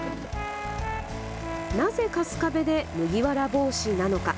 なぜ春日部で麦わら帽子なのか。